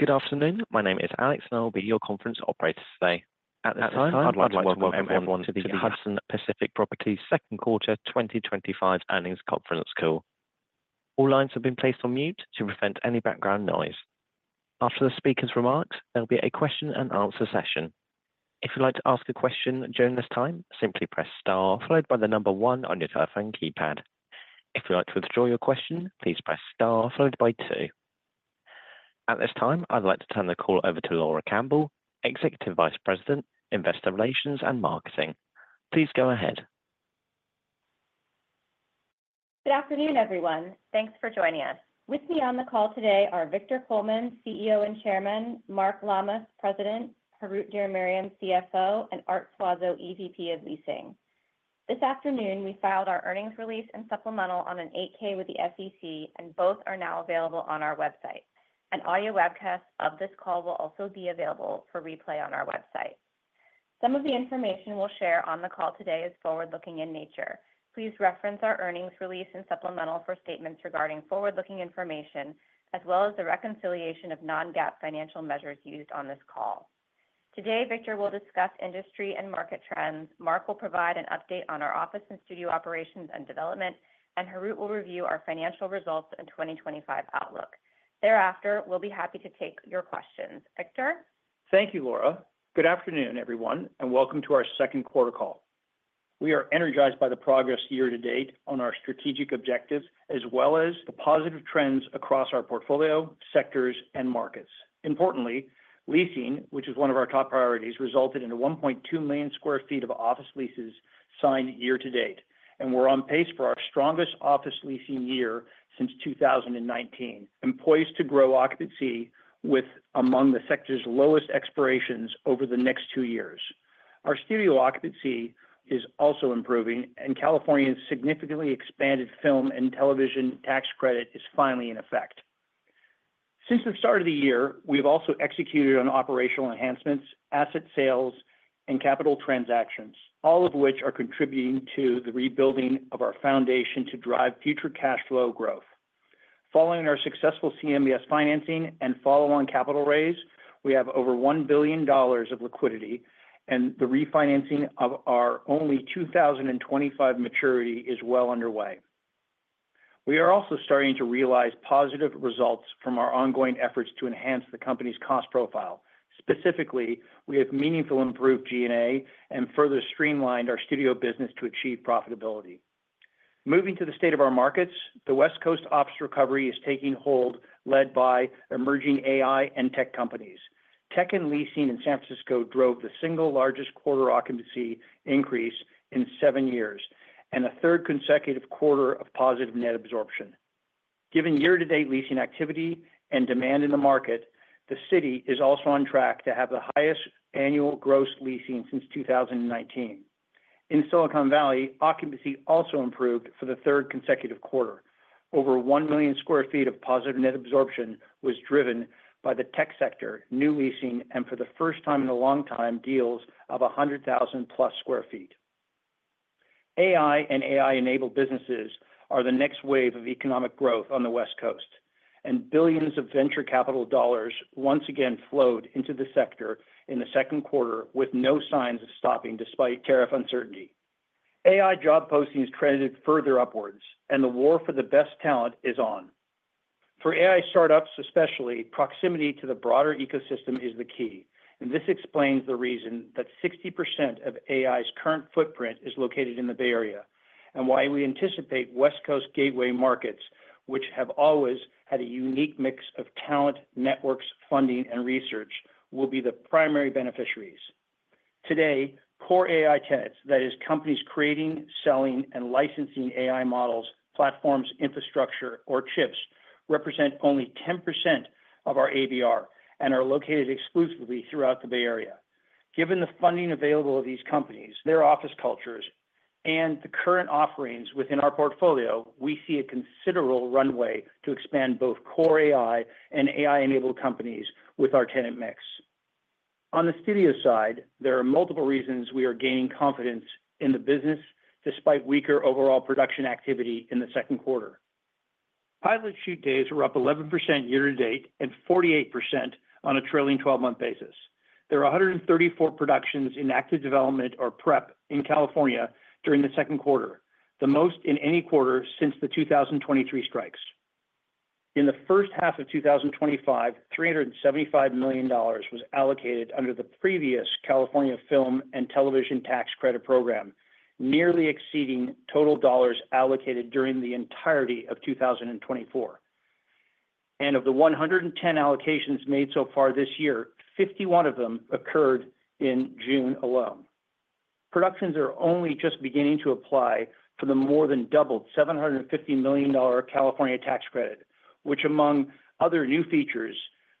Good afternoon. My name is Alex, and I'll be your conference operator today. At this time, I'd like to welcome everyone to the Hudson Pacific Properties second quarter 2025 earnings conference call. All lines have been placed on mute to prevent any background noise. After the speaker's remarks, there will be a question and answer session. If you'd like to ask a question during this time, simply press star followed by the number one on your telephone keypad. If you'd like to withdraw your question, please press star followed by two. At this time, I'd like to turn the call over to Laura Campbell, Executive Vice President, Investor Relations and Marketing. Please go ahead. Good afternoon, everyone. Thanks for joining us. With me on the call today are Victor Coleman, CEO and Chairman, Mark Lammas, President, Harout Diramerian, CFO, and Art Suazo, EVP of Leasing. This afternoon, we filed our earnings release and supplemental on an 8-K with the SEC, and both are now available on our website. An audio webcast of this call will also be available for replay on our website. Some of the information we'll share on the call today is forward-looking in nature. Please reference our earnings release and supplemental for statements regarding forward-looking information, as well as the reconciliation of non-GAAP financial measures used on this call. Today, Victor will discuss industry and market trends. Mark will provide an update on our office and studio operations and development, and Harout will review our financial results and 2025 outlook. Thereafter, we'll be happy to take your questions. Victor? Thank you, Laura. Good afternoon, everyone, and welcome to our second quarter call. We are energized by the progress year-to-date on our strategic objectives, as well as the positive trends across our portfolio, sectors, and markets. Importantly, leasing, which is one of our top priorities, resulted in 1.2 million sq ft of office leases signed year-to-date, and we're on pace for our strongest office leasing year since 2019. This enables us to grow occupancy with among the sector's lowest expirations over the next 2 years. Our studio occupancy is also improving, and California's significantly expanded film and television tax credit is finally in effect. Since we've started the year, we've also executed on operational enhancements, asset sales, and capital transactions, all of which are contributing to the rebuilding of our foundation to drive future cash flow growth. Following our successful CMBS financing and follow-on capital raise, we have over $1 billion of liquidity, and the refinancing of our only 2025 maturity is well underway. We are also starting to realize positive results from our ongoing efforts to enhance the company's cost profile. Specifically, we have meaningfully improved G&A and further streamlined our studio business to achieve profitability. Moving to the state of our markets, the West Coast office recovery is taking hold, led by emerging AI and tech companies. Tech and leasing in San Francisco drove the single largest quarter occupancy increase in seven years, and a third consecutive quarter of positive net absorption. Given year-to-date leasing activity and demand in the market, the city is also on track to have the highest annual gross leasing since 2019. In Silicon Valley, occupancy also improved for the third consecutive quarter. Over 1 million sq ft of positive net absorption was driven by the tech sector, new leasing, and for the first time in a long time, deals of 100,000 plus sq ft. AI and AI-enabled businesses are the next wave of economic growth on the West Coast, and billions of venture capital dollars once again flowed into the sector in the second quarter, with no signs of stopping despite tariff uncertainty. AI job postings trended further upwards, and the war for the best talent is on. For AI startups, especially, proximity to the broader ecosystem is the key, and this explains the reason that 60% of AI's current footprint is located in the Bay Area, and why we anticipate West Coast gateway markets, which have always had a unique mix of talent, networks, funding, and research, will be the primary beneficiaries. Today, core AI tenants, that is, companies creating, selling, and licensing AI models, platforms, infrastructure, or chips, represent only 10% of our ABR and are located exclusively throughout the Bay Area. Given the funding available to these companies, their office cultures, and the current offerings within our portfolio, we see a considerable runway to expand both core AI and AI-enabled companies with our tenant mix. On the studio side, there are multiple reasons we are gaining confidence in the business despite weaker overall production activity in the second quarter. Pilot shoot days were up 11% year-to-date and 48% on a trailing 12-month basis. There are 134 productions in active development or prep in California during the second quarter, the most in any quarter since the 2023 strikes. In the first half of 2025, $375 million was allocated under the previous California Film and Television Tax Credit Program, nearly exceeding total dollars allocated during the entirety of 2024. Of the 110 allocations made so far this year, 51 of them occurred in June alone. Productions are only just beginning to apply for the more than doubled $750 million California tax credit, which, among other new features,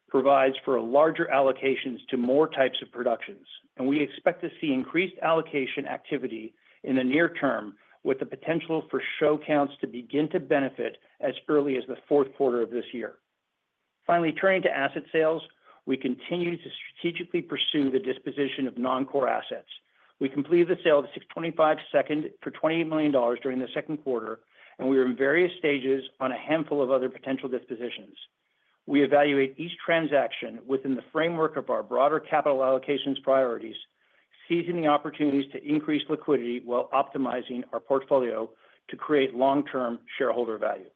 provides for larger allocations to more types of productions. We expect to see increased allocation activity in the near term, with the potential for show counts to begin to benefit as early as the fourth quarter of this year. Finally, turning to asset sales, we continue to strategically pursue the disposition of non-core assets. We completed the sale of the 625 Second for $28 million during the second quarter, and we are in various stages on a handful of other potential dispositions. We evaluate each transaction within the framework of our broader capital allocation priorities, seizing the opportunities to increase liquidity while optimizing our portfolio to create long-term shareholder value.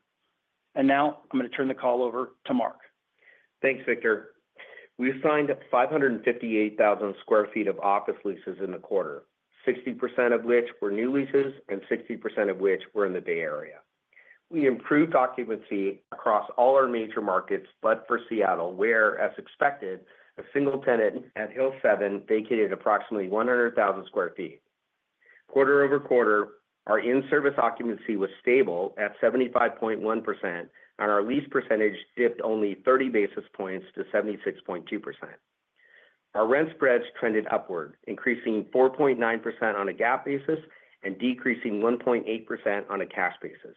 Now, I'm going to turn the call over to Mark. Thanks, Victor. We signed 558,000 sq ft of office leases in the quarter, 60% of which were new leases and 60% of which were in the Bay Area. We improved occupancy across all our major markets, except for Seattle, where, as expected, a single tenant at Hill 7 vacated approximately 100,000 sq ft. Quarter-over-quarter, our in-service occupancy was stable at 75.1%, and our lease percentage dipped only 30 basis points to 76.2%. Our rent spreads trended upward, increasing 4.9% on a GAAP basis and decreasing 1.8% on a cash basis.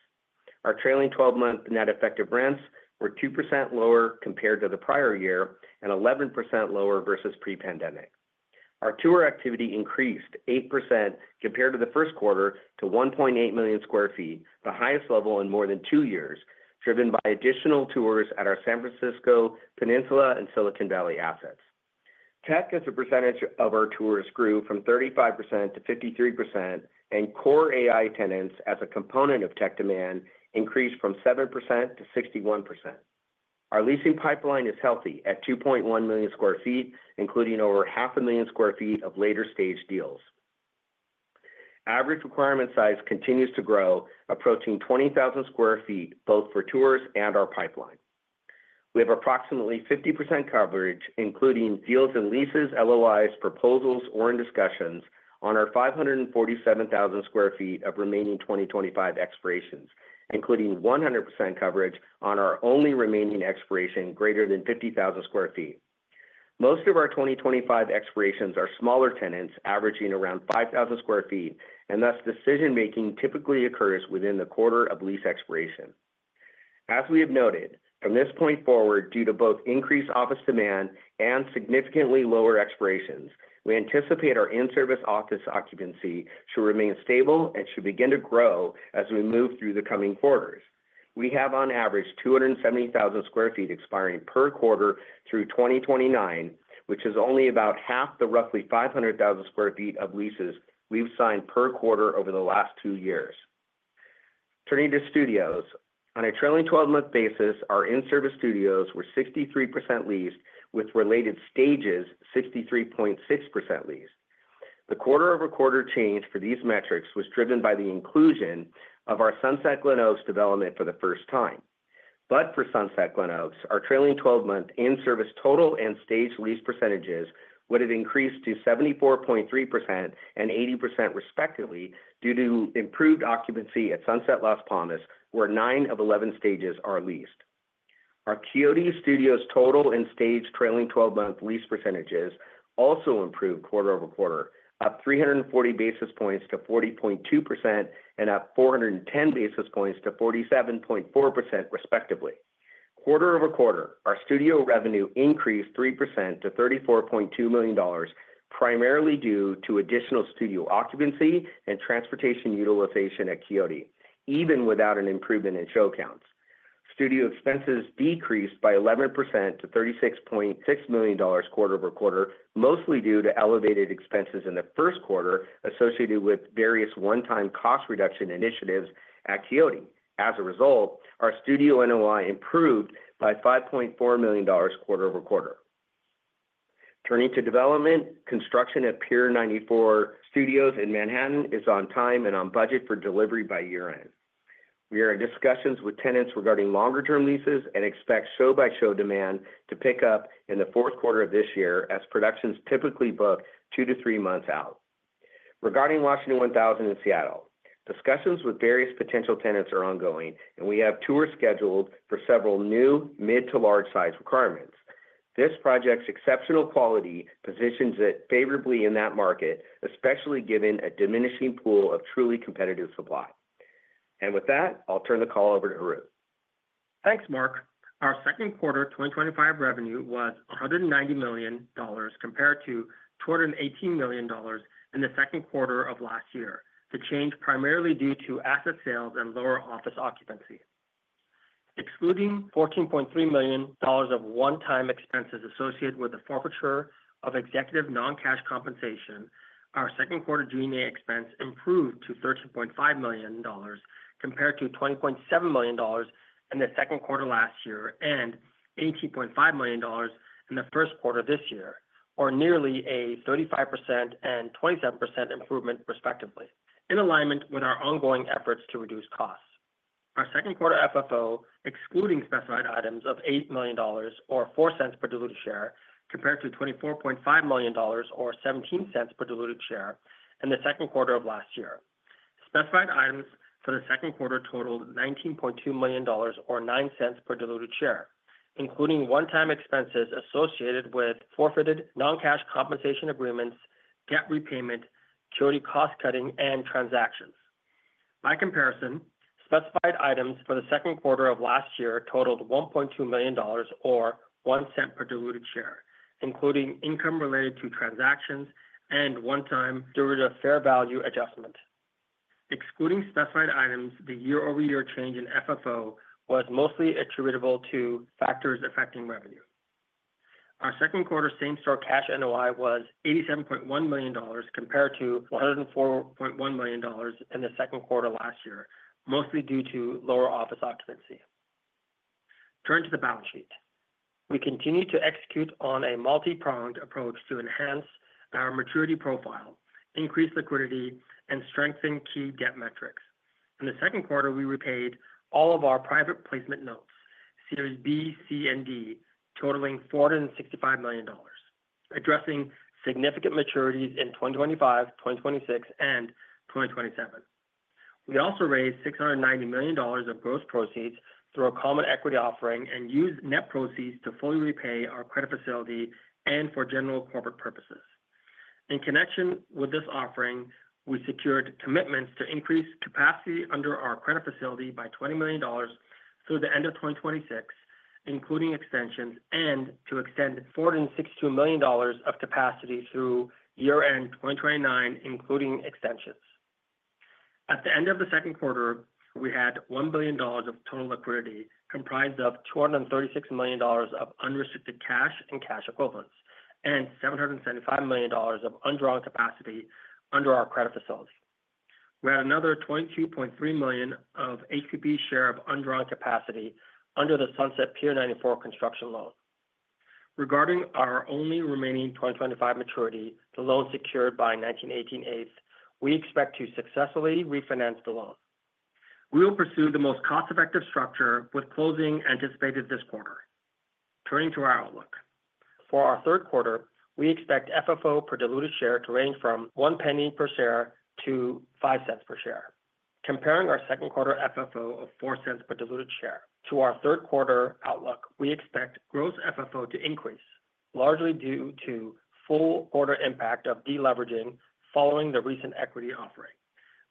Our trailing 12-month net effective rents were 2% lower compared to the prior year and 11% lower versus pre-pandemic. Our tour activity increased 8% compared to the first quarter to 1.8 million sq ft, the highest level in more than 2 years, driven by additional tours at our San Francisco Peninsula and Silicon Valley assets. Tech, as a percentage of our tours, grew from 35% to 53%, and core AI tenants, as a component of tech demand, increased from 7% to 61%. Our leasing pipeline is healthy at 2.1 million sq ft, including over half a million sq ft of later-stage deals. Average requirement size continues to grow, approaching 20,000 sq ft, both for tours and our pipeline. We have approximately 50% coverage, including deals and leases, LOIs, proposals, or in discussions on our 547,000 sq ft of remaining 2025 expirations, including 100% coverage on our only remaining expiration greater than 50,000 sq ft. Most of our 2025 expirations are smaller tenants, averaging around 5,000 sq ft, and thus decision-making typically occurs within the quarter of lease expiration. As we have noted, from this point forward, due to both increased office demand and significantly lower expirations, we anticipate our in-service office occupancy should remain stable and should begin to grow as we move through the coming quarters. We have, on average, 270,000 sq ft expiring per quarter through 2029, which is only about half the roughly 500,000 sq ft of leases we've signed per quarter over the last 2 years. Turning to studios, on a trailing 12-month basis, our in-service studios were 63% leased, with related stages 63.6% leased. The quarter-over-quarter change for these metrics was driven by the inclusion of our Sunset Glenoaks development for the first time. For Sunset Glenoaks, our trailing 12-month in-service total and stage lease percentages would have increased to 74.3% and 80% respectively due to improved occupancy at Sunset Las Palmas, where 9 of 11 stages are leased. Our Quixote studios total and stage trailing 12-month lease percentages also improved quarter-over-quarter, up 340 basis points to 40.2% and up 410 basis points to 47.4% respectively. Quarter-over-quarter, our studio revenue increased 3% to $34.2 million, primarily due to additional studio occupancy and transportation utilization at Quixote, even without an improvement in show counts. Studio expenses decreased by 11% to $36.6 million quarter-over-quarter, mostly due to elevated expenses in the first quarter associated with various one-time cost reduction initiatives at Quixote. As a result, our studio NOI improved by $5.4 million quarter-over-quarter. Turning to development, construction at Pier 94 Studios in Manhattan is on time and on budget for delivery by year-end. We are in discussions with tenants regarding longer-term leases and expect show-by-show demand to pick up in the fourth quarter of this year, as productions typically book 2-3 months out. Regarding Washington 1000 in Seattle, discussions with various potential tenants are ongoing, and we have tours scheduled for several new mid to large size requirements. This project's exceptional quality positions it favorably in that market, especially given a diminishing pool of truly competitive supply. With that, I'll turn the call over to Harout. Thanks, Mark. Our second quarter 2025 revenue was $190 million compared to $218 million in the second quarter of last year. The change is primarily due to asset sales and lower office occupancy. Excluding $14.3 million of one-time expenses associated with the forfeiture of executive non-cash compensation, our second quarter G&A expense improved to $13.5 million compared to $20.7 million in the second quarter last year and $18.5 million in the first quarter this year, or nearly a 35% and 27% improvement respectively, in alignment with our ongoing efforts to reduce costs. Our second quarter FFO, excluding specified items of $8 million or $0.04 per diluted share, compared to $24.5 million or $0.17 per diluted share in the second quarter of last year. Specified items for the second quarter totaled $19.2 million or $0.09 per diluted share, including one-time expenses associated with forfeited non-cash compensation agreements, debt repayment, Quixote cost cutting, and transactions. By comparison, specified items for the second quarter of last year totaled $1.2 million or $0.01 per diluted share, including income related to transactions and one-time diluted fair value adjustment. Excluding specified items, the year-over-year change in FFO was mostly attributable to factors affecting revenue. Our second quarter same-store cash NOI was $87.1 million compared to $104.1 million in the second quarter last year, mostly due to lower office occupancy. Turning to the balance sheet, we continue to execute on a multi-pronged approach to enhance our maturity profile, increase liquidity, and strengthen key debt metrics. In the second quarter, we repaid all of our private placement notes, series B, C, and D, totaling $465 million, addressing significant maturities in 2025, 2026, and 2027. We also raised $690 million of gross proceeds through a common equity offering and used net proceeds to fully repay our credit facility and for general corporate purposes. In connection with this offering, we secured commitments to increase capacity under our credit facility by $20 million through the end of 2026, including extensions, and to extend $462 million of capacity through year-end 2029, including extensions. At the end of the second quarter, we had $1 billion of total liquidity, comprised of $236 million of unrestricted cash and cash equivalents, and $775 million of undrawn capacity under our credit facility. We had another $22.3 million of HPP's share of undrawn capacity under the Sunset Pier 94 construction loan. Regarding our only remaining 2025 maturity, the loan secured by 1918 Eighth, we expect to successfully refinance the loan. We will pursue the most cost-effective structure with closing anticipated this quarter. Turning to our outlook for our third quarter, we expect FFO per diluted share to range from $0.01 per share to $0.05 per share. Comparing our second quarter FFO of $0.04 per diluted share to our third quarter outlook, we expect gross FFO to increase, largely due to full quarter impact of deleveraging following the recent equity offering.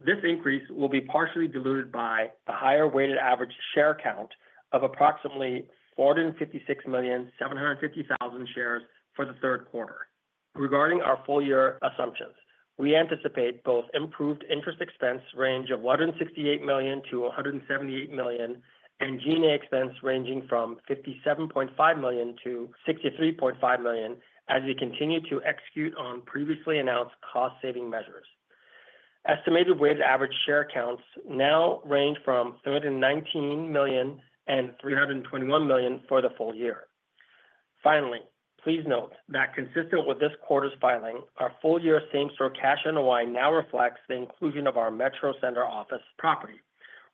This increase will be partially diluted by the higher weighted average share count of approximately 456,750,000 shares for the third quarter. Regarding our full-year assumptions, we anticipate both improved interest expense range of $168 million to $178 million and G&A expense ranging from $57.5 million to $63.5 million as we continue to execute on previously announced cost-saving measures. Estimated weighted average share counts now range from 319 million to 321 million for the full year. Finally, please note that consistent with this quarter's filing, our full-year same-store cash NOI now reflects the inclusion of our Metro Center office property,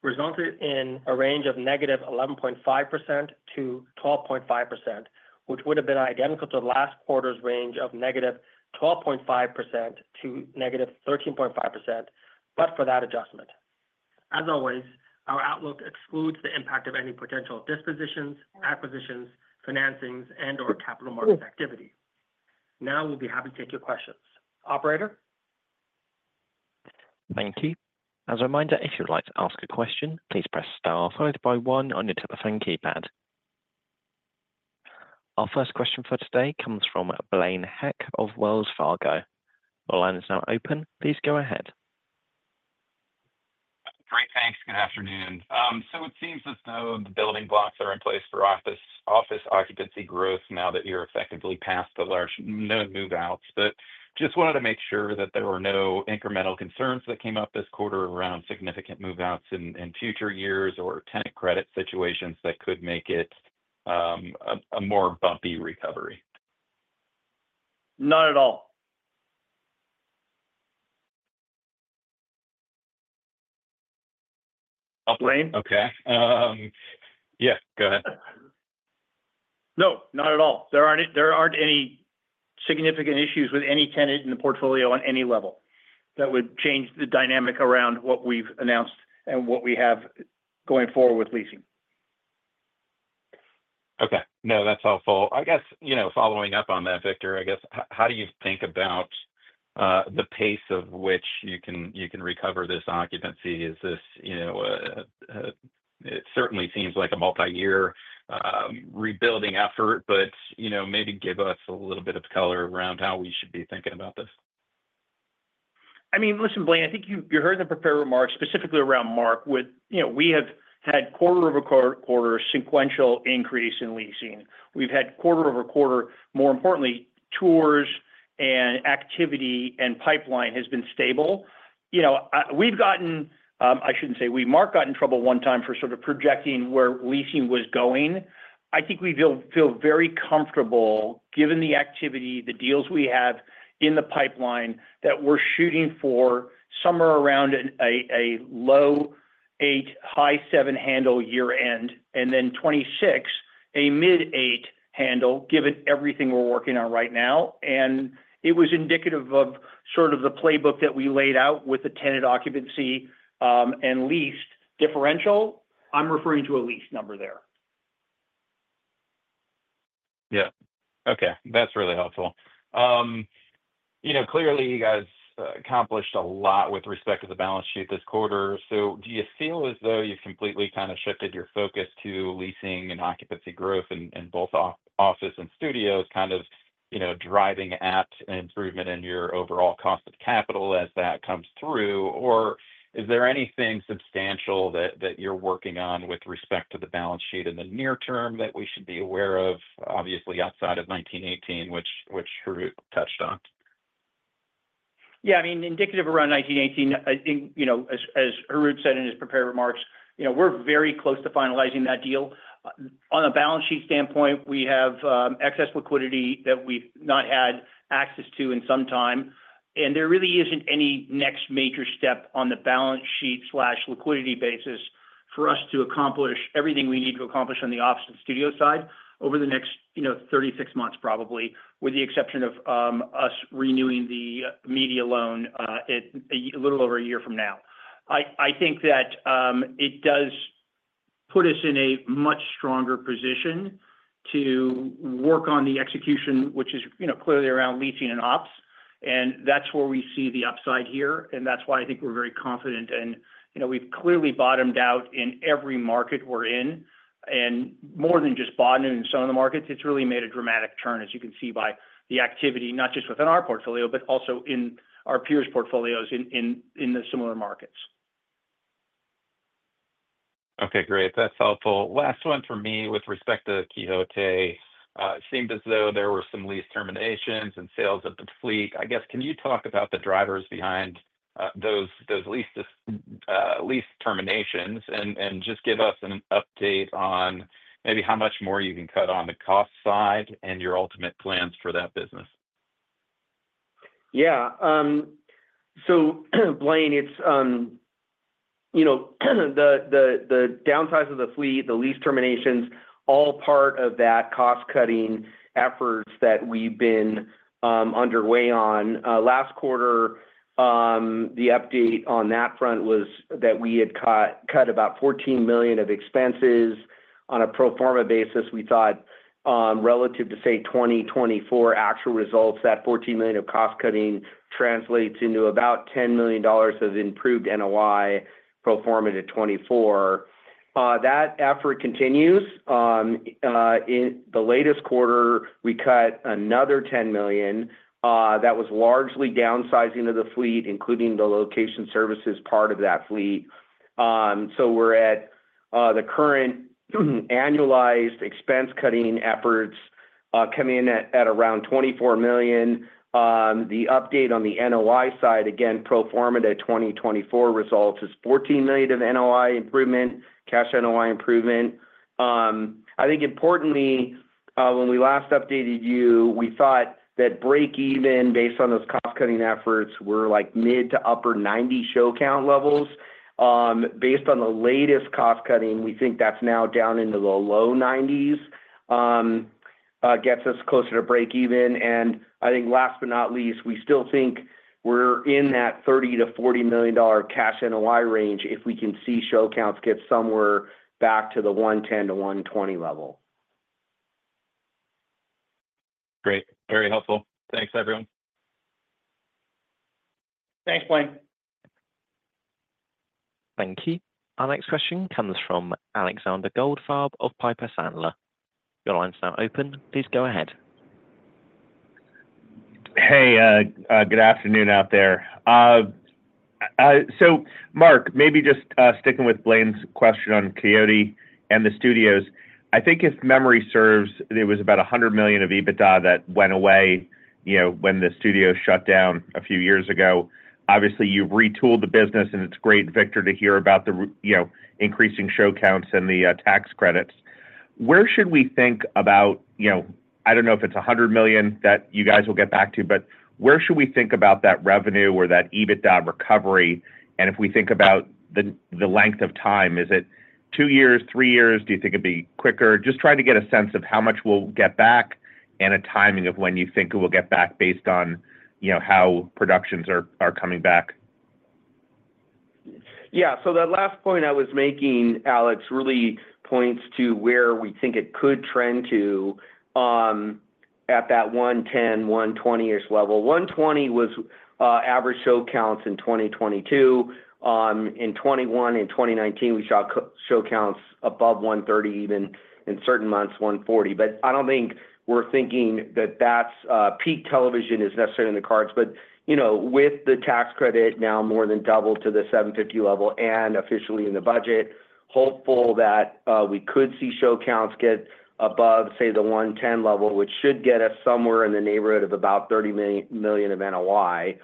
resulting in a range of -11.5% to -12.5%, which would have been identical to last quarter's range of -12.5% to -13.5%, but for that adjustment. As always, our outlook excludes the impact of any potential dispositions, acquisitions, financings, and/or capital market activity. Now we'll be happy to take your questions. Operator? Thank you. As a reminder, if you'd like to ask a question, please press star followed by one on your telephone keypad. Our first question for today comes from Blaine Heck of Wells Fargo. The line is now open. Please go ahead. Hi, thanks. Good afternoon. It seems as though the building blocks are in place for office occupancy growth now that you're effectively past the large no move-outs. I just wanted to make sure that there were no incremental concerns that came up this quarter around significant move-outs in future years or tenant credit situations that could make it a more bumpy recovery. Not at all. Blaine? Okay, go ahead. No, not at all. There aren't any significant issues with any tenant in the portfolio on any level that would change the dynamic around what we've announced and what we have going forward with leasing. Okay. No, that's helpful. I guess, you know, following up on that, Victor, I guess, how do you think about the pace at which you can recover this occupancy? Is this, you know, it certainly seems like a multi-year rebuilding effort, but maybe give us a little bit of color around how we should be thinking about this. I mean, listen, Blaine, I think you heard the prepared remarks specifically around Mark. You know, we have had quarter-over-quarter sequential increase in leasing. We've had quarter-over-quarter, more importantly, tours and activity, and pipeline has been stable. We've gotten, I shouldn't say we, Mark got in trouble one time for sort of projecting where leasing was going. I think we feel very comfortable given the activity, the deals we have in the pipeline, that we're shooting for somewhere around a low 8, high 7 handle year-end, and then 2026, a mid-8 handle given everything we're working on right now. It was indicative of the playbook that we laid out with the tenant occupancy and lease differential. I'm referring to a lease number there. Okay. That's really helpful. Clearly, you guys accomplished a lot with respect to the balance sheet this quarter. Do you feel as though you've completely kind of shifted your focus to leasing and occupancy growth in both office and studios, kind of driving at an improvement in your overall cost of capital as that comes through? Is there anything substantial that you're working on with respect to the balance sheet in the near term that we should be aware of, obviously, outside of 1918, which Harout touched on? Yeah, I mean, indicative around 1918, I think, as Harout Diramerian said in his prepared remarks, we're very close to finalizing that deal. On a balance sheet standpoint, we have excess liquidity that we've not had access to in some time. There really isn't any next major step on the balance sheet/liquidity basis for us to accomplish everything we need to accomplish on the office and studio side over the next 36 months, probably, with the exception of us renewing the media loan a little over a year from now. I think that it does put us in a much stronger position to work on the execution, which is clearly around leasing and ops. That's where we see the upside here. That's why I think we're very confident. We've clearly bottomed out in every market we're in, and more than just bottomed out in some of the markets. It's really made a dramatic turn, as you can see by the activity, not just within our portfolio, but also in our peers' portfolios in the similar markets. Okay, great. That's helpful. Last one from me with respect to Quixote. It seemed as though there were some lease terminations and sales at the fleet. I guess, can you talk about the drivers behind those lease terminations and just give us an update on maybe how much more you can cut on the cost side and your ultimate plans for that business? Yeah. So, Blaine, it's, you know, kind of the downsize of the fleet, the lease terminations, all part of that cost-cutting efforts that we've been underway on. Last quarter, the update on that front was that we had cut about $14 million of expenses on a pro forma basis. We thought relative to, say, 2024 actual results, that $14 million of cost cutting translates into about $10 million of improved NOI pro forma to 2024. That effort continues. In the latest quarter, we cut another $10 million. That was largely downsizing of the fleet, including the location services part of that fleet. We're at the current annualized expense cutting efforts coming in at around $24 million. The update on the NOI side, again, pro forma to 2024 results is $14 million of NOI improvement, cash NOI improvement. I think importantly, when we last updated you, we thought that break-even based on those cost-cutting efforts were like mid to upper 90 show count levels. Based on the latest cost cutting, we think that's now down into the low 90s, gets us closer to break-even. I think last but not least, we still think we're in that $30 million-$40 million cash NOI range if we can see show counts get somewhere back to the 110 to 120 level. Great. Very helpful. Thanks, everyone. Thanks, Blaine. Thank you. Our next question comes from Alexander Goldfarb of Piper Sandler. Your line's now open. Please go ahead. Hey, good afternoon out there. Mark, maybe just sticking with Blaine's question on Quixote and the studios, I think if memory serves, there was about $100 million of EBITDA that went away when the studios shut down a few years ago. Obviously, you've retooled the business, and it's great, Victor, to hear about the increasing show counts and the tax credits. Where should we think about, I don't know if it's $100 million that you guys will get back to, but where should we think about that revenue or that EBITDA recovery? If we think about the length of time, is it 2 years, 3 years? Do you think it'd be quicker? Just trying to get a sense of how much we'll get back and a timing of when you think we'll get back based on how productions are coming back. Yeah, so the last point I was making, Alex, really points to where we think it could trend to at that 110, 120-ish level. 120 was average show counts in 2022. In 2021 and 2019, we saw show counts above 130, even in certain months, 140. I don't think we're thinking that that's peak television is necessarily in the cards. With the tax credit now more than doubled to the 750 level and officially in the budget, hopeful that we could see show counts get above, say, the 110 level, which should get us somewhere in the neighborhood of about $30 million of NOI.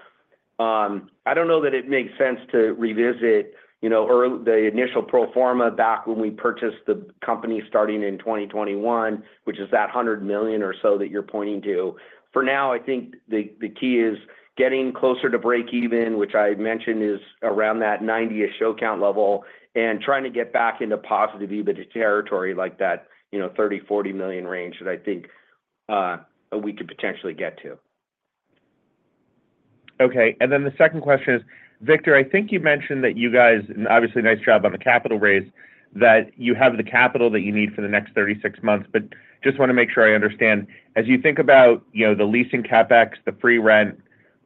I don't know that it makes sense to revisit the initial pro forma back when we purchased the company starting in 2021, which is that $100 million or so that you're pointing to. For now, I think the key is getting closer to break-even, which I mentioned is around that 90-ish show count level, and trying to get back into positive EBITDA territory like that $30 million-$40 million range that I think we could potentially get to. Okay. The second question is, Victor, I think you mentioned that you guys, and obviously nice job on the capital raise, that you have the capital that you need for the next 36 months. I just want to make sure I understand. As you think about the leasing CapEx, the free rent,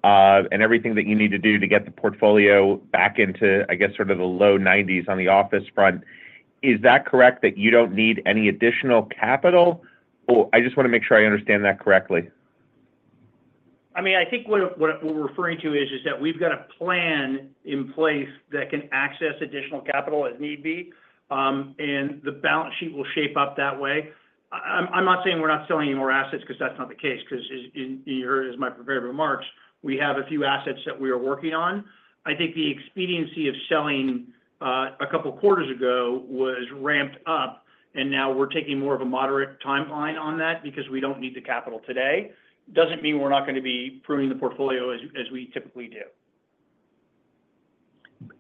and everything that you need to do to get the portfolio back into, I guess, sort of the low 90% on the office front, is that correct that you don't need any additional capital? I just want to make sure I understand that correctly. I mean, I think what we're referring to is that we've got a plan in place that can access additional capital as need be, and the balance sheet will shape up that way. I'm not saying we're not selling any more assets because that's not the case, because you heard as my prepared remarks, we have a few assets that we are working on. I think the expediency of selling a couple of quarters ago was ramped up, and now we're taking more of a moderate timeline on that because we don't need the capital today. It doesn't mean we're not going to be pruning the portfolio as we typically do.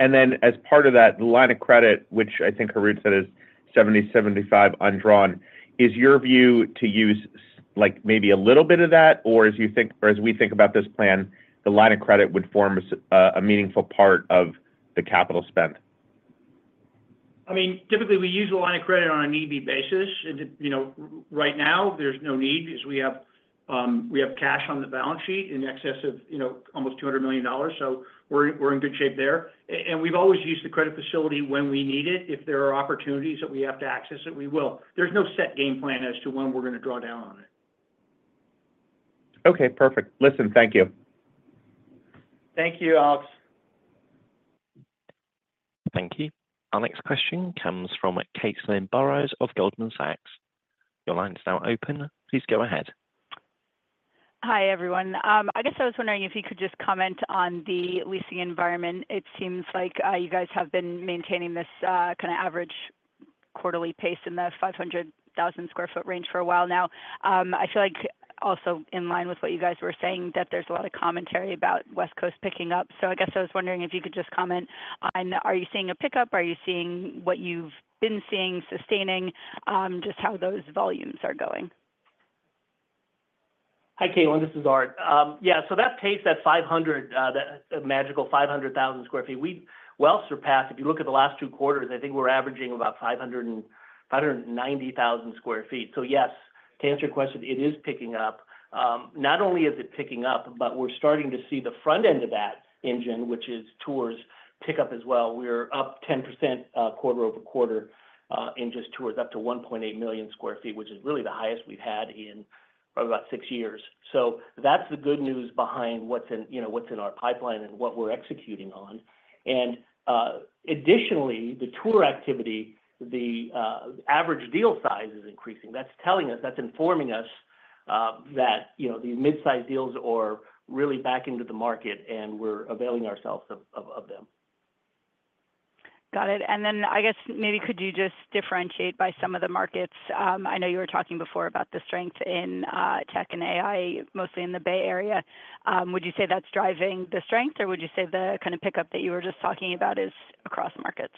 As part of that line of credit, which I think Harout said is $70 million, $75 million undrawn, is your view to use maybe a little bit of that, or as you think, or as we think about this plan, the line of credit would form a meaningful part of the capital spend? Typically, we use the line of credit on a need-be basis. Right now, there's no need because we have cash on the balance sheet in excess of almost $200 million. We're in good shape there. We've always used the credit facility when we need it. If there are opportunities that we have to access it, we will. There's no set game plan as to when we're going to draw down on it. Okay, perfect. Listen, thank you. Thank you, Alex. Thank you. Our next question comes from Caitlin Burrows of Goldman Sachs. Your line is now open. Please go ahead. Hi, everyone. I was wondering if you could just comment on the leasing environment. It seems like you guys have been maintaining this kind of average quarterly pace in the 500,000 square foot range for a while now. I feel like also in line with what you guys were saying that there's a lot of commentary about West Coast picking up. I was wondering if you could just comment on, are you seeing a pickup? Are you seeing what you've been seeing sustaining, just how those volumes are going? Hi, Caitlin. This is Art. Yeah, so that pace, that 500, that magical 500,000 sq ft, we well surpassed. If you look at the last two quarters, I think we're averaging about 590,000 sq ft. Yes, to answer your question, it is picking up. Not only is it picking up, but we're starting to see the front end of that engine, which is tours, pick up as well. We're up 10% quarter-over-quarter in just tours, up to 1.8 million sq ft, which is really the highest we've had in probably about 6 years. That's the good news behind what's in our pipeline and what we're executing on. Additionally, the tour activity, the average deal size is increasing. That's telling us, that's informing us that, you know, these mid-size deals are really back into the market and we're availing ourselves of them. Got it. Could you just differentiate by some of the markets? I know you were talking before about the strength in tech and AI, mostly in the Bay Area. Would you say that's driving the strength, or would you say the kind of pickup that you were just talking about is across markets?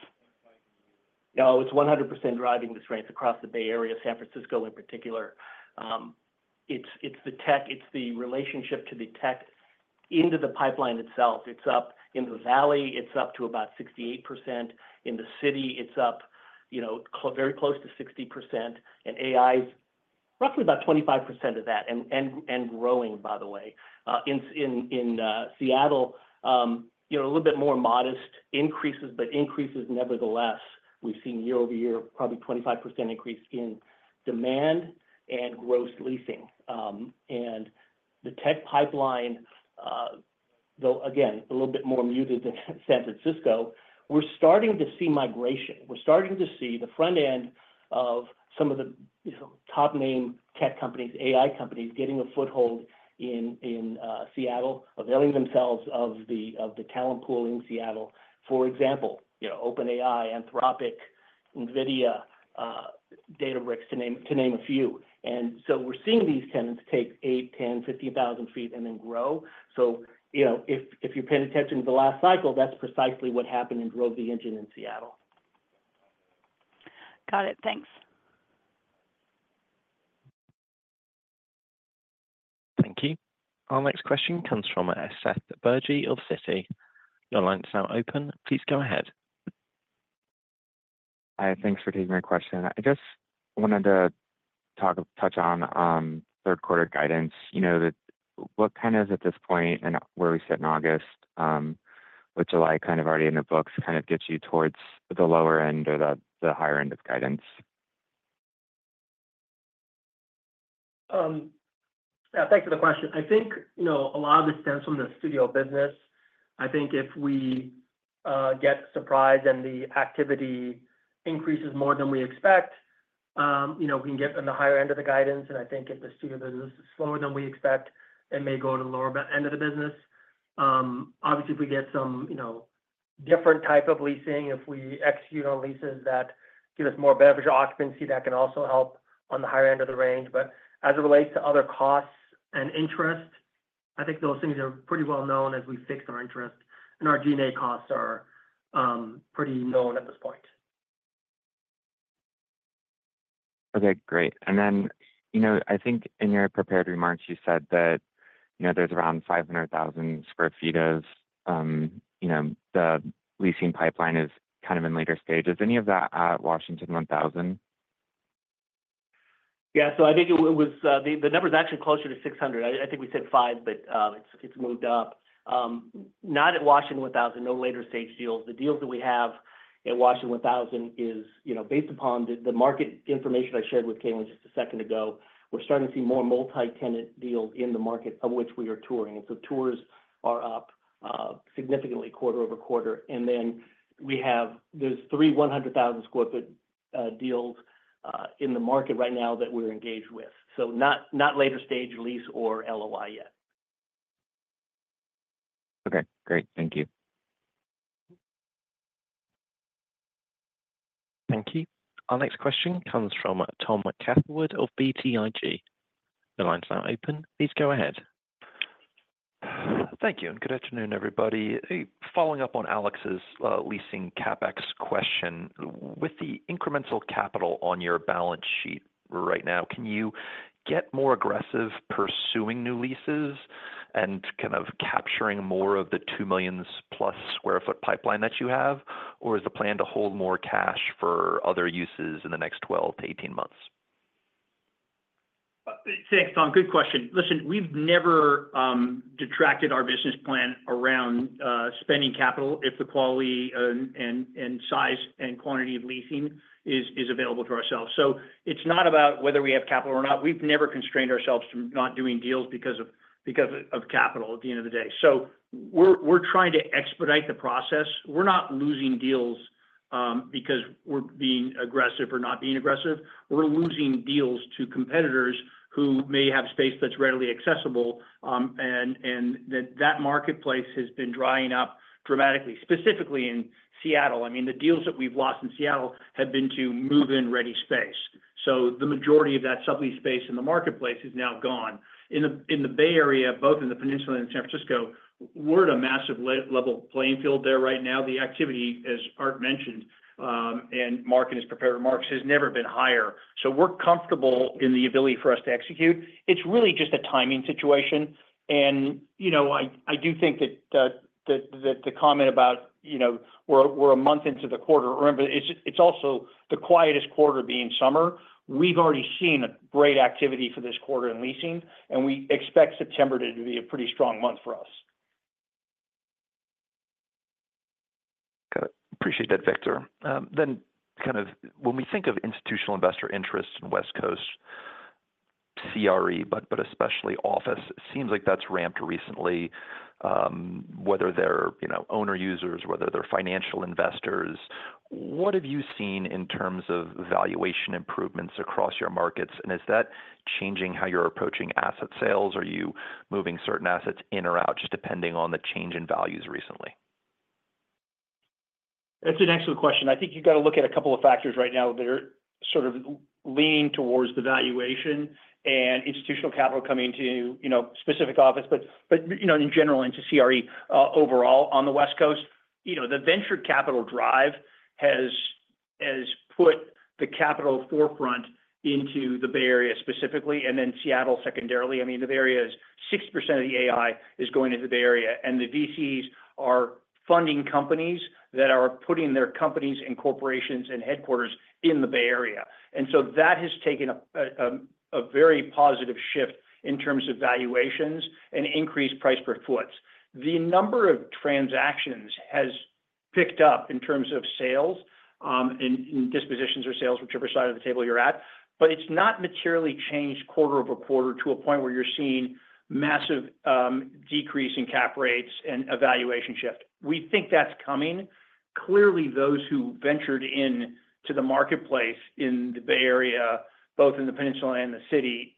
No, it's 100% driving the strength across the Bay Area, San Francisco in particular. It's the tech, it's the relationship to the tech into the pipeline itself. It's up in the Valley, it's up to about 68%. In the city, it's up, you know, very close to 60%. AI is roughly about 25% of that and growing, by the way. In Seattle, a little bit more modest increases, but increases nevertheless. We've seen year-over-year probably 25% increase in demand and gross leasing. The tech pipeline, though again, a little bit more muted than San Francisco, we're starting to see migration. We're starting to see the front end of some of the top name tech companies, AI companies getting a foothold in Seattle, availing themselves of the talent pool in Seattle. For example, you know, OpenAI, Anthropic, NVIDIA, Databricks, to name a few. We're seeing these tenants take 8, 10, 15,000 ft and then grow. If you're paying attention to the last cycle, that's precisely what happened and drove the engine in Seattle. Got it. Thanks. Thank you. Our next question comes from Seth Bergey of Citigroup. Your line's now open. Please go ahead. Hi, thanks for taking my question. I just wanted to touch on third quarter guidance. You know, at this point and where we sit in August, with July already in the books, does that get you towards the lower end or the higher end of guidance? Yeah, thanks for the question. I think a lot of it stems from the studio business. I think if we get surprised and the activity increases more than we expect, we can get on the higher end of the guidance. I think if the studio business is slower than we expect, it may go to the lower end of the business. Obviously, if we get some different type of leasing, if we execute on leases that give us more beneficial occupancy, that can also help on the higher end of the range. As it relates to other costs and interest, I think those things are pretty well known as we fix our interest and our G&A costs are pretty known at this point. Okay, great. In your prepared remarks, you said that there's around 500,000 sq ft of the leasing pipeline is kind of in later stages. Any of that at Washington 1000? Yeah, so I think it was, the number is actually closer to 600,000 sq ft. I think we said 500,000 sq ft, but it's moved up. Not at Washington 1000, no later stage deals. The deals that we have at Washington 1000 is, you know, based upon the market information I shared with Caitlin just a second ago, we're starting to see more multi-tenant deals in the market of which we are touring. Tours are up significantly quarter-over-quarter. There are three 100,000 square foot deals in the market right now that we're engaged with. Not later stage lease or LOI yet. Okay, great. Thank you. Thank you. Our next question comes from Tom Catherwood of BTIG. The line's now open. Please go ahead. Thank you. Good afternoon, everybody. Following up on Alex's leasing CapEx question, with the incremental capital on your balance sheet right now, can you get more aggressive pursuing new leases and kind of capturing more of the 2 million plus sq ft pipeline that you have, or is the plan to hold more cash for other uses in the next 12-18 months? Thanks, Tom. Good question. Listen, we've never detracted our business plan around spending capital if the quality and size and quantity of leasing is available to ourselves. It's not about whether we have capital or not. We've never constrained ourselves to not doing deals because of capital at the end of the day. We're trying to expedite the process. We're not losing deals because we're being aggressive or not being aggressive. We're losing deals to competitors who may have space that's readily accessible. That marketplace has been drying up dramatically, specifically in Seattle. The deals that we've lost in Seattle have been to move-in ready space. The majority of that sublease space in the marketplace is now gone. In the Bay Area, both in the Peninsula and San Francisco, we're at a massive level playing field there right now. The activity, as Art mentioned, and Mark in his prepared remarks, has never been higher. We're comfortable in the ability for us to execute. It's really just a timing situation. I do think that the comment about, you know, we're a month into the quarter. Remember, it's also the quietest quarter being summer. We've already seen great activity for this quarter in leasing, and we expect September to be a pretty strong month for us. Got it. Appreciate that, Victor. When we think of institutional investor interest in West Coast CRE, but especially office, it seems like that's ramped recently. Whether they're owner-users, whether they're financial investors, what have you seen in terms of valuation improvements across your markets? Is that changing how you're approaching asset sales? Are you moving certain assets in or out, just depending on the change in values recently? That's an excellent question. I think you've got to look at a couple of factors right now that are sort of leaning towards the valuation and institutional capital coming to, you know, specific office, but, you know, in general, into CRE overall on the West Coast. The venture capital drive has put the capital forefront into the Bay Area specifically, and then Seattle secondarily. I mean, the Bay Area is 60% of the AI is going into the Bay Area, and the VCs are funding companies that are putting their companies and corporations and headquarters in the Bay Area. That has taken a very positive shift in terms of valuations and increased price per foot. The number of transactions has picked up in terms of sales, and dispositions or sales whichever side of the table you're at, but it's not materially changed quarter-over-quarter to a point where you're seeing a massive decrease in cap rates and a valuation shift. We think that's coming. Clearly, those who ventured into the marketplace in the Bay Area, both in the Peninsula and the city,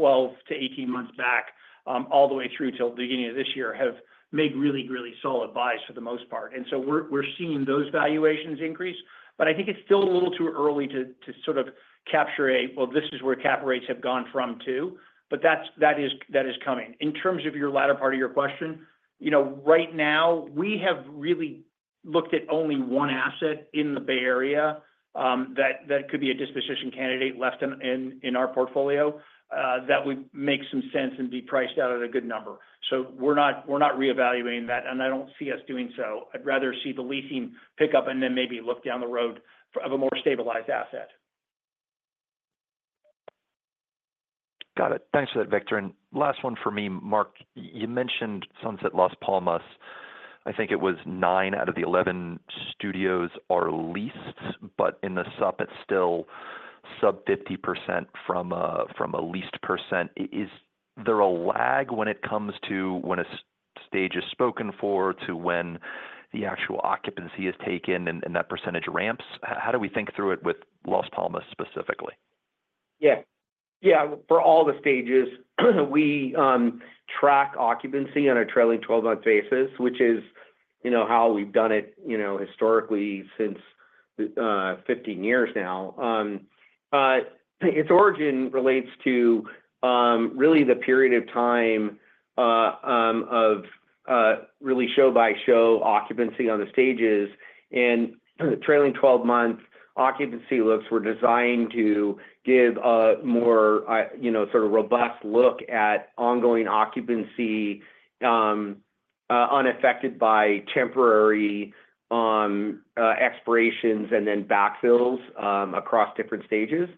12-18 months back, all the way through till the beginning of this year have made really, really solid buys for the most part. We're seeing those valuations increase, but I think it's still a little too early to sort of capture a, well, this is where cap rates have gone from to, but that is coming. In terms of your latter part of your question, right now we have really looked at only one asset in the Bay Area that could be a disposition candidate left in our portfolio, that would make some sense and be priced out at a good number. We're not reevaluating that, and I don't see us doing so. I'd rather see the leasing pick up and then maybe look down the road of a more stabilized asset. Got it. Thanks for that, Victor. Last one for me, Mark. You mentioned Sunset Las Palmas. I think it was 9 out of the 11 studios are leased, but in the supp, it's still sub-50% from a leased percent. Is there a lag when it comes to when a stage is spoken for to when the actual occupancy is taken and that percentage ramps? How do we think through it with Las Palmas specifically? Yeah, for all the stages, we track occupancy on a trailing 12-month basis, which is how we've done it historically since 15 years now. Its origin relates to the period of time of show-by-show occupancy on the stages. The trailing 12-month occupancy looks were designed to give a more robust look at ongoing occupancy, unaffected by temporary expirations and then backfills across different stages.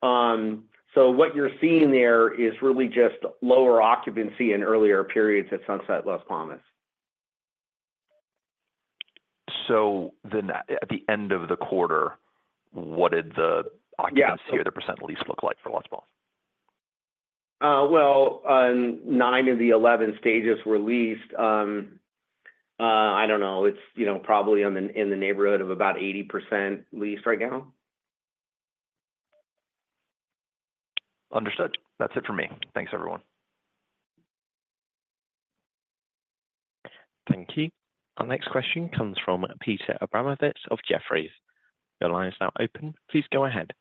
What you're seeing there is really just lower occupancy in earlier periods at Sunset Las Palmas. At the end of the quarter, what did the occupancy or the percent lease look like for Las Palmas? Nine of the 11 stages were leased. I don't know. It's probably in the neighborhood of about 80% leased right now. Understood. That's it for me. Thanks, everyone. Thank you. Our next question comes from Peter Abramowitz of Jefferies. Your line is now open. Please go ahead.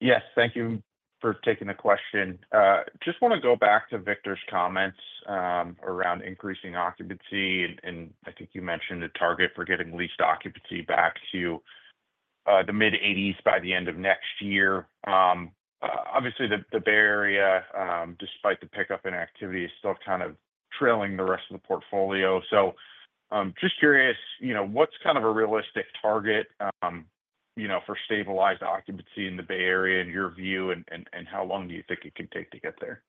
Yes, thank you for taking the question. I just want to go back to Victor's comments around increasing occupancy. I think you mentioned the target for getting leased occupancy back to the mid-80% by the end of next year. Obviously, the Bay Area, despite the pickup in activity, is still kind of trailing the rest of the portfolio. Just curious, what's kind of a realistic target for stabilized occupancy in the Bay Area in your view, and how long do you think it can take to get there?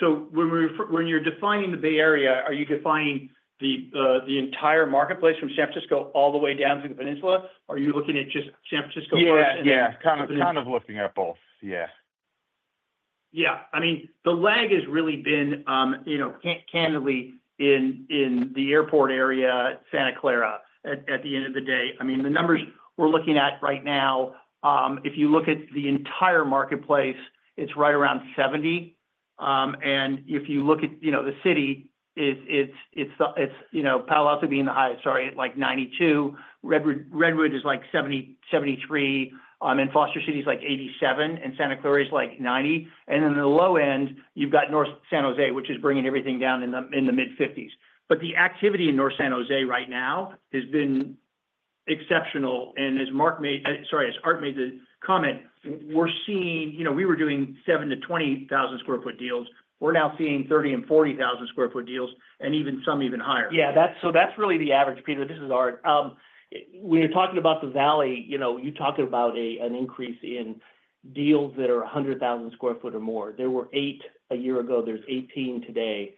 When you're defining the Bay Area, are you defining the entire marketplace from San Francisco all the way down to the Peninsula? Are you looking at just San Francisco? Yeah, kind of looking at both. Yeah. Yeah, I mean, the lag has really been, you know, candidly, in the airport area at Santa Clara at the end of the day. I mean, the numbers we're looking at right now, if you look at the entire marketplace, it's right around 70%. If you look at, you know, the city, it's, you know, Palo Alto being the highest, sorry, at like 92%. Redwood is like 73%, and Foster City is like 87%, and Santa Clara is like 90%. In the low end, you've got North San Jose, which is bringing everything down in the mid-50%. The activity in North San Jose right now has been exceptional. As Art made the comment, we're seeing, you know, we were doing 7,000 sq ft-20,000 sq ft deals. We're now seeing 30,000 sq ft-40,000 sq ft deals, and even some higher. Yeah, that's really the average. Peter. This is Art. When you're talking about the Valley, you know, you're talking about an increase in deals that are 100,000 sq ft or more. There were 8 a year ago. There's 18 today.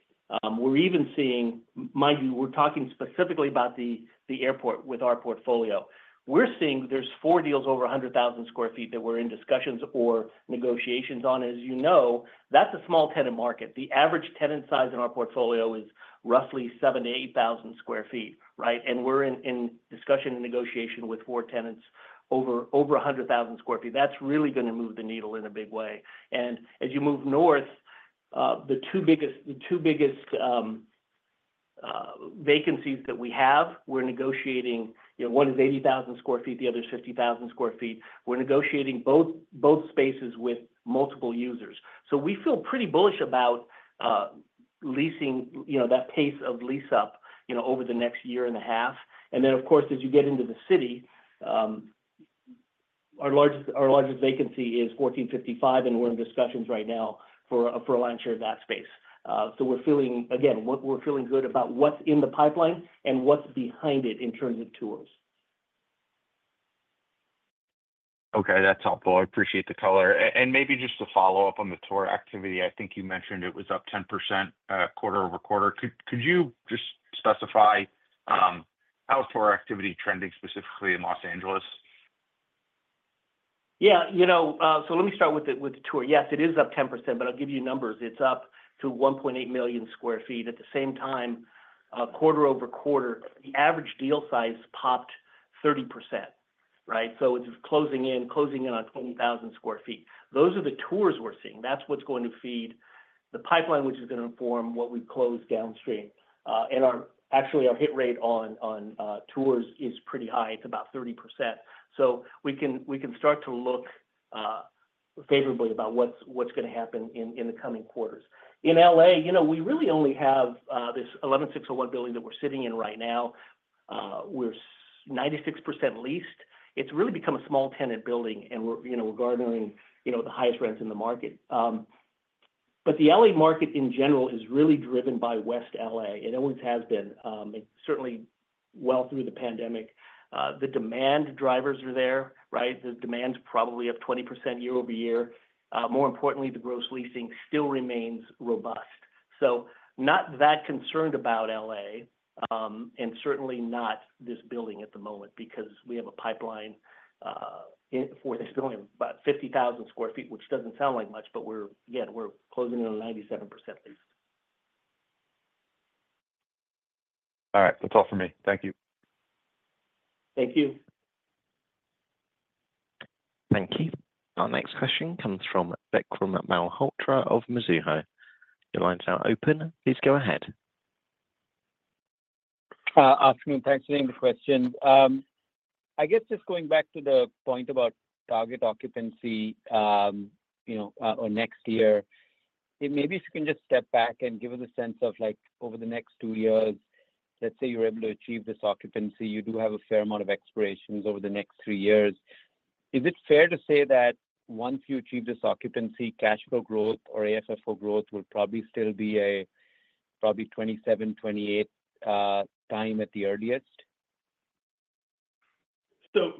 We're even seeing, mind you, we're talking specifically about the airport with our portfolio. We're seeing there's four deals over 100,000 sq ft that we're in discussions or negotiations on. As you know, that's a small tenant market. The average tenant size in our portfolio is roughly 7,000 sq ft to 8,000 sq ft, right? We're in discussion and negotiation with four tenants over 100,000 sq ft. That's really going to move the needle in a big way. As you move north, the two biggest vacancies that we have, we're negotiating, you know, one is 80,000 sq ft, the other is 50,000 sq ft. We're negotiating both spaces with multiple users. We feel pretty bullish about leasing, you know, that pace of lease up, you know, over the next year and a half. Of course, as you get into the city, our largest vacancy is 1455, and we're in discussions right now for a lion's share of that space. We're feeling, again, we're feeling good about what's in the pipeline and what's behind it in terms of tours. Okay, that's helpful. I appreciate the color. Maybe just to follow up on the tour activity, I think you mentioned it was up 10% quarter-over-quarter. Could you just specify how is tour activity trending specifically in Los Angeles? Yeah, you know, let me start with the tour. Yes, it is up 10%, but I'll give you numbers. It's up to 1.8 million sq ft. At the same time, quarter-over-quarter, the average deal size popped 30%, right? It's closing in on 20,000 sq ft. Those are the tours we're seeing. That's what's going to feed the pipeline, which is going to inform what we close downstream. Actually, our hit rate on tours is pretty high. It's about 30%. We can start to look favorably about what's going to happen in the coming quarters. In LA, we really only have this 11601 building that we're sitting in right now. We're 96% leased. It's really become a small tenant building, and we're garnering the highest rents in the market. The LA market in general is really driven by West LA. It always has been, and certainly well through the pandemic. The demand drivers are there, right? The demand's probably up 20% year-over-year. More importantly, the gross leasing still remains robust. Not that concerned about LA, and certainly not this building at the moment because we have a pipeline for this building of about 50,000 sq ft, which doesn't sound like much, but we're closing in on 97% leased. All right. That's all for me. Thank you. Thank you. Thank you. Our next question comes from Vikram Malhotra of Mizuho. Your line's now open. Please go ahead. Afternoon. Thanks for taking the question. I guess just going back to the point about target occupancy, you know, for next year, maybe if you can just step back and give us a sense of like over the next 2 years, let's say you're able to achieve this occupancy, you do have a fair amount of expirations over the next 3 years. Is it fair to say that once you achieve this occupancy, cash flow growth or AFFO growth will probably still be a probably 2027, 2028-time at the earliest?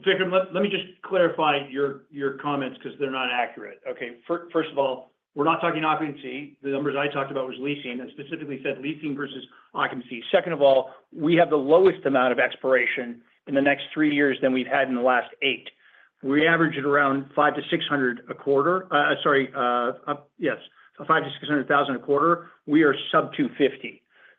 Vikram, let me just clarify your comments because they're not accurate. First of all, we're not talking occupancy. The numbers I talked about were leasing. I specifically said leasing versus occupancy. Second of all, we have the lowest amount of expiration in the next 3 years than we've had in the last 8. We average at around 500,000 sq ft-600,000 sq ft a quarter. Sorry, yes, 500,000 sq ft-600,000 sq ft a quarter. We are sub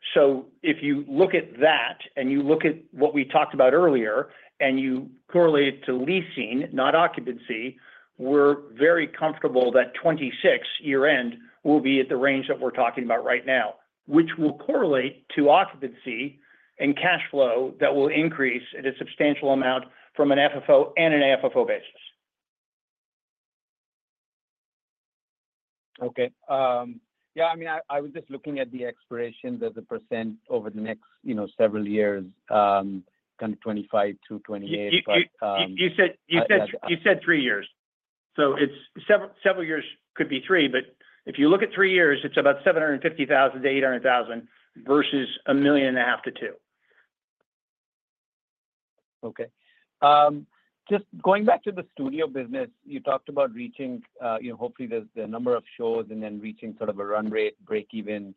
250,000 sq ft. If you look at that and you look at what we talked about earlier and you correlate it to leasing, not occupancy, we're very comfortable that 2026 year-end will be at the range that we're talking about right now, which will correlate to occupancy and cash flow that will increase at a substantial amount from an FFO and an AFFO basis. Okay. Yeah, I mean, I was just looking at the expirations of the percent over the next, you know, several years, kind of 2025-2028. You said 3 years. It's several years, could be three, but if you look at 3 years, it's about 750,000 sq ft-800,000 sq ft versus 1.5 million sq ft-2 million sq ft. Okay. Just going back to the studio business, you talked about reaching, you know, hopefully the number of shows and then reaching sort of a run rate, break-even,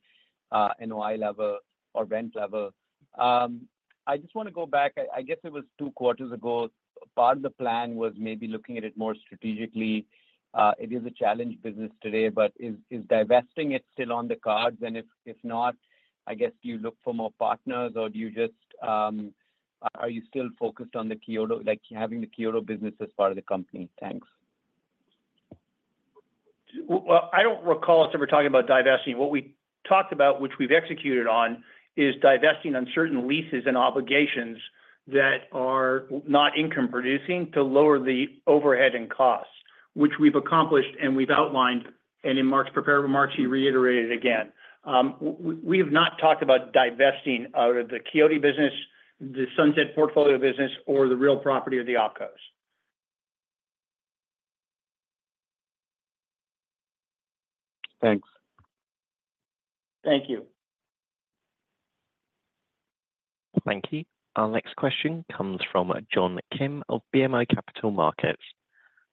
NOI level, or rent level. I just want to go back. I guess it was two quarters ago. Part of the plan was maybe looking at it more strategically. It is a challenge business today, but is divesting it still on the cards? If not, I guess do you look for more partners or are you still focused on the Quixote business as part of the company? Thanks. I don't recall us ever talking about divesting. What we talked about, which we've executed on, is divesting on certain leases and obligations that are not income-producing to lower the overhead and costs, which we've accomplished and we've outlined. In Mark's prepared remarks, he reiterated again. We have not talked about divesting out of the Quixote business, the Sunset portfolio business, or the real property, or the OpCos. Thanks. Thank you. Thank you. Our next question comes from John Kim of BMO Capital Markets.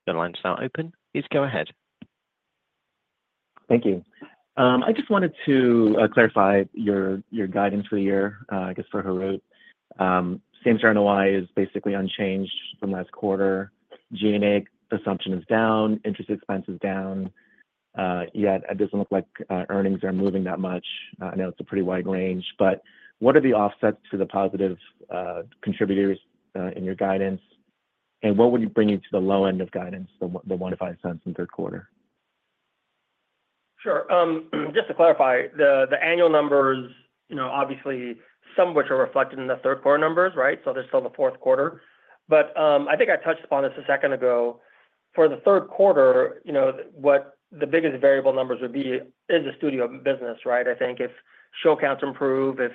Your line's now open. Please go ahead. Thank you. I just wanted to clarify your guidance for the year, I guess, for Harout. Same share NOI is basically unchanged from last quarter. G&A assumption is down. Interest expense is down. Yet it doesn't look like earnings are moving that much. I know it's a pretty wide range, but what are the offsets to the positive contributors in your guidance? What would bring you to the low end of guidance, the $0.01 to $0.05 in third quarter? Sure. Just to clarify, the annual numbers, you know, obviously, some of which are reflected in the third quarter numbers, right? There is still the fourth quarter. I think I touched upon this a second ago. For the third quarter, what the biggest variable numbers would be is the studio business, right? I think if show counts improve, if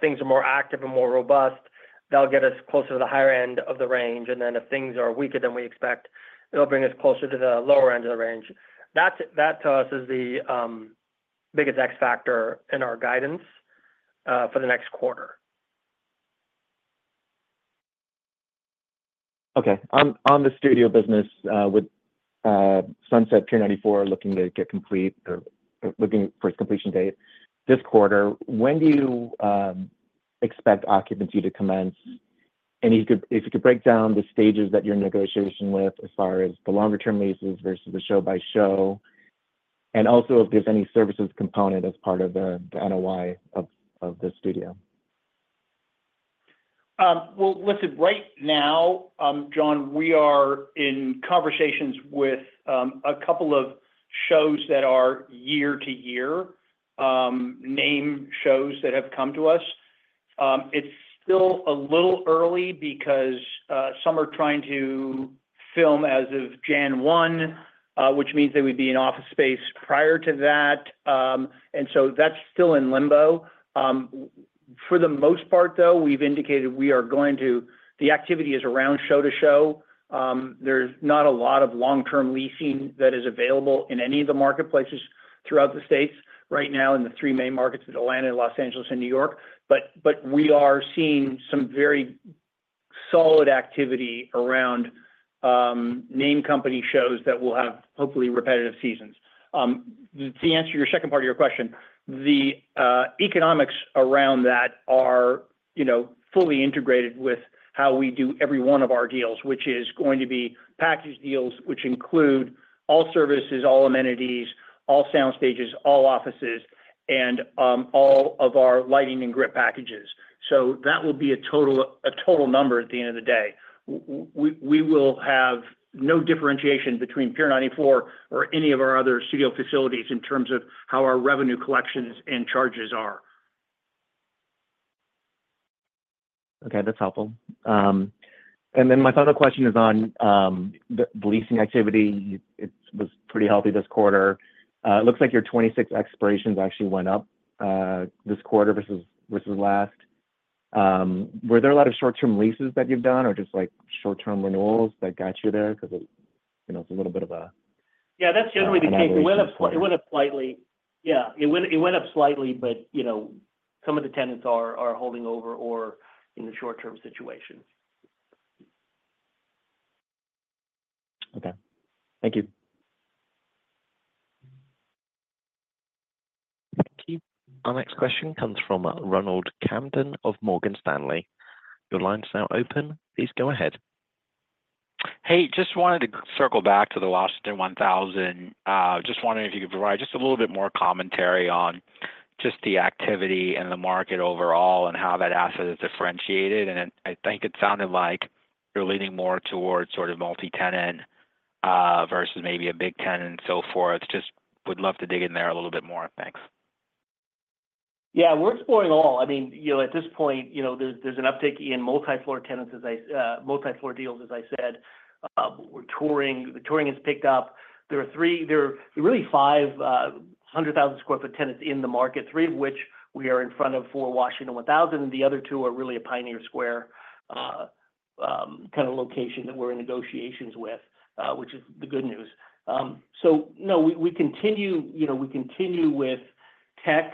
things are more active and more robust, that'll get us closer to the higher end of the range. If things are weaker than we expect, it'll bring us closer to the lower end of the range. That to us is the biggest X factor in our guidance for the next quarter. Okay. On the studio business with Sunset 294 looking to get complete or looking for its completion date this quarter, when do you expect occupancy to commence? If you could break down the stages that you're in negotiation with as far as the longer-term leases versus the show-by-show? Also, is there any services component as part of the NOI of the studio? Right now, John, we are in conversations with a couple of shows that are year-to-year name shows that have come to us. It's still a little early because some are trying to film as of January 1, which means they would be in office space prior to that. That is still in limbo. For the most part, we've indicated we are going to, the activity is around show-to-show. There's not a lot of long-term leasing that is available in any of the marketplaces throughout the states right now in the three main markets of Atlanta, Los Angeles, and New York. We are seeing some very solid activity around name company shows that will have hopefully repetitive seasons. To answer your second part of your question, the economics around that are fully integrated with how we do every one of our deals, which is going to be package deals, which include all services, all amenities, all sound stages, all offices, and all of our lighting and grip packages. That will be a total number at the end of the day. We will have no differentiation between Pier 94 or any of our other studio facilities in terms of how our revenue collections and charges are. Okay, that's helpful. My final question is on the leasing activity. It was pretty healthy this quarter. It looks like your 2026 expirations actually went up this quarter versus last. Were there a lot of short-term leases that you've done or just like short-term renewals that got you there? Because it's a little bit of a. Yeah, that's generally the case. It went up slightly, but you know, some of the tenants are holding over or in the short-term situations. Okay. Thank you. Thank you. Our next question comes from Ronald Kamdem of Morgan Stanley. Your line's now open. Please go ahead. Hey, just wanted to circle back to the Washington 1000. Just wondering if you could provide just a little bit more commentary on the activity and the market overall and how that asset is differentiated. I think it sounded like you're leaning more towards sort of multi-tenant versus maybe a big tenant and so forth. Just would love to dig in there a little bit more. Thanks. Yeah, we're exploring them all. At this point, there's an uptick in multi-floor tenants, multi-floor deals, as I said. We're touring. The touring has picked up. There are really five 100,000 sq ft tenants in the market, three of which we are in front of for Washington 1000, and the other two are really a Pioneer Square kind of location that we're in negotiations with, which is the good news. We continue with tech.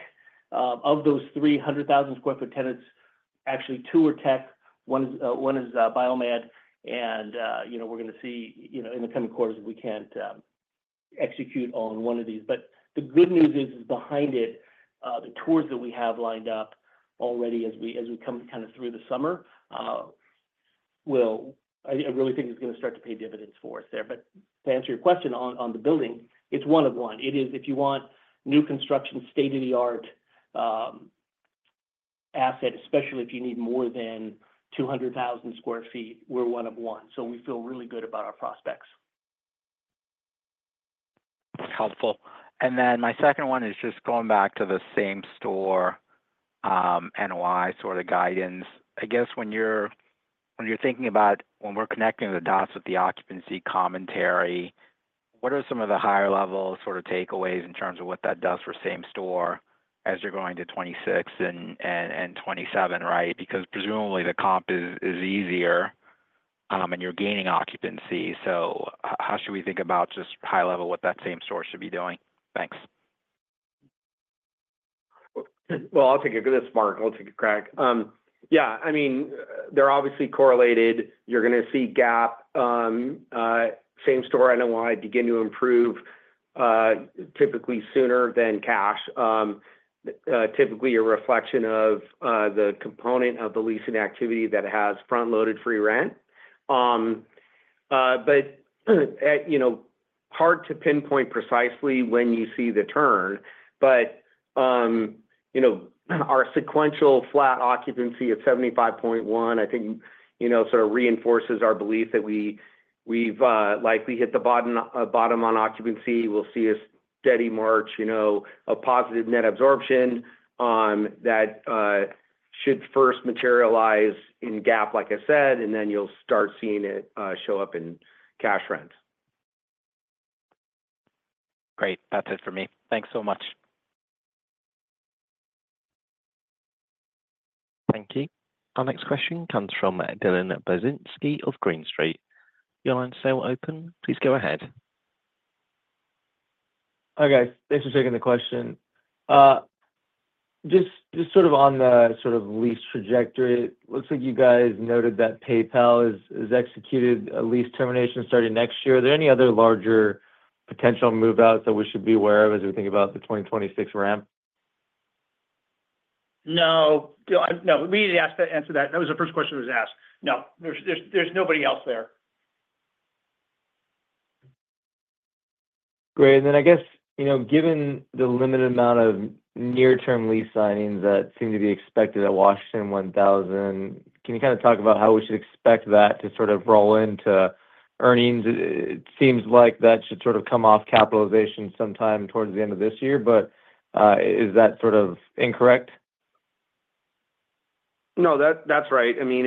Of those 300,000 square foot tenants, actually two are tech. One is biomed, and we're going to see in the coming quarters if we can't execute on one of these. The good news is behind it, the tours that we have lined up already as we come through the summer, I really think it's going to start to pay dividends for us there. To answer your question on the building, it's one of one. It is, if you want new construction, state-of-the-art asset, especially if you need more than 200,000 sq ft, we're one of one. We feel really good about our prospects. That's helpful. My second one is just going back to the same store NOI sort of guidance. I guess when you're thinking about when we're connecting the dots with the occupancy commentary, what are some of the higher-level sort of takeaways in terms of what that does for same store as you're going to 2026 and 2027, right? Presumably the comp is easier and you're gaining occupancy. How should we think about just high-level what that same store should be doing? Thanks. I'll take it. Goodness, Mark. I'll take a crack. Yeah, I mean, they're obviously correlated. You're going to see GAAP same-store NOI begin to improve typically sooner than cash. Typically, a reflection of the component of the leasing activity that has front-loaded free rent. You know, hard to pinpoint precisely when you see the turn. You know, our sequential flat occupancy of 75.1%, I think, sort of reinforces our belief that we've likely hit the bottom on occupancy. We'll see a steady march, a positive net absorption that should first materialize in GAAP, like I said, and then you'll start seeing it show up in cash rent. Great. That's it for me. Thanks so much. Thank you. Our next question comes from Dylan Burzinski of Green Street. Your line's now open. Please go ahead. Hi, guys. Thanks for taking the question. On the lease trajectory, it looks like you guys noted that PayPal has executed a lease termination starting next year. Are there any other larger potential move-outs that we should be aware of as we think about the 2026 ramp? No, immediately asked that answer that. That was the first question that was asked. No, there's nobody else there. Great. I guess, you know, given the limited amount of near-term lease signings that seem to be expected at Washington 1000, can you kind of talk about how we should expect that to sort of roll into earnings? It seems like that should sort of come off capitalization sometime towards the end of this year, but is that sort of incorrect? No, that's right. I mean,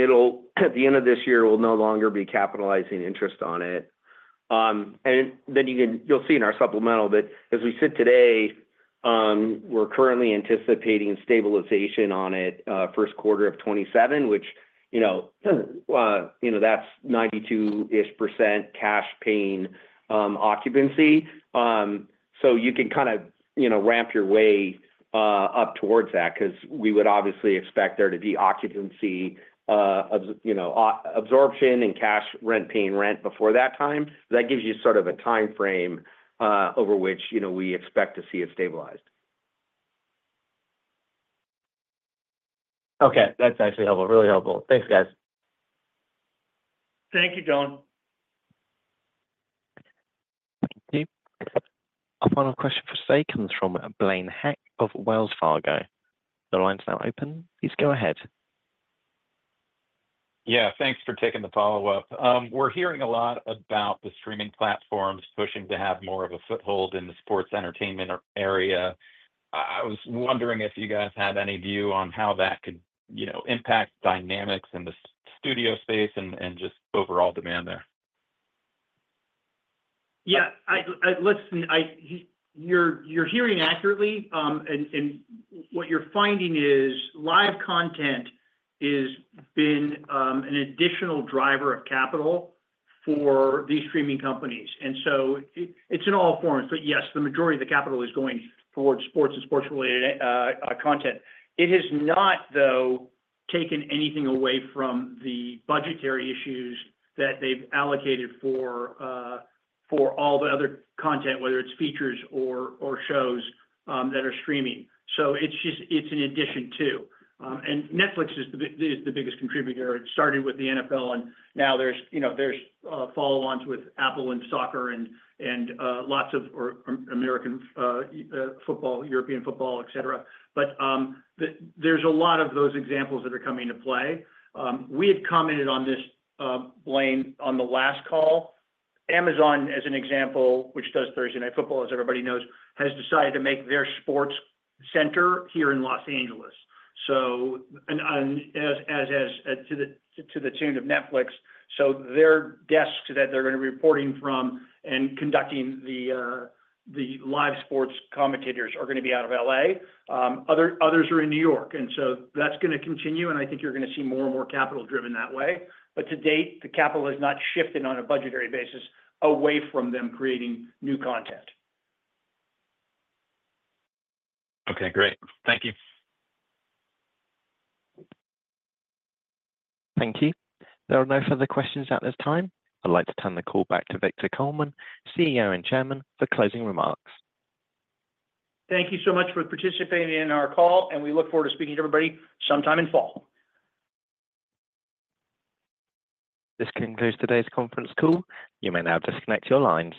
at the end of this year, we'll no longer be capitalizing interest on it. You can see in our supplemental that as we sit today, we're currently anticipating stabilization on it first quarter of 2027, which, you know, that's 92%-ish cash paying occupancy. You can kind of ramp your way up towards that because we would obviously expect there to be occupancy of absorption and cash rent paying rent before that time. That gives you sort of a timeframe over which we expect to see it stabilized. Okay, that's actually helpful. Really helpful. Thanks, guys. Thank you, Dylan. Thank you. Our final question for today comes from Blaine Heck of Wells Fargo Securities. Your line's now open. Please go ahead. Yeah, thanks for taking the follow-up. We're hearing a lot about the streaming platforms pushing to have more of a foothold in the sports entertainment area. I was wondering if you guys had any view on how that could impact dynamics in the studio space and just overall demand there. Yeah, listen, you're hearing accurately. What you're finding is live content has been an additional driver of capital for these streaming companies. It's in all forms. Yes, the majority of the capital is going towards sports and sports-related content. It has not, though, taken anything away from the budgetary issues that they've allocated for all the other content, whether it's features or shows that are streaming. It's just, it's in addition to. Netflix is the biggest contributor. It started with the NFL, and now there's follow-ons with Apple and soccer and lots of American football, European football, etc. There are a lot of those examples that are coming to play. We had commented on this, Blaine, on the last call. Amazon, as an example, which does Thursday Night Football, as everybody knows, has decided to make their sports center here in Los Angeles. As to the tune of Netflix, their desks that they're going to be reporting from and conducting the live sports commentators are going to be out of LA. Others are in New York. That's going to continue, and I think you're going to see more and more capital driven that way. To date, the capital has not shifted on a budgetary basis away from them creating new content. Okay, great. Thank you. Thank you. There are no further questions at this time. I'd like to turn the call back to Victor Coleman, CEO and Chairman, for closing remarks. Thank you so much for participating in our call, and we look forward to speaking to everybody sometime in fall. This concludes today's conference call. You may now disconnect your lines.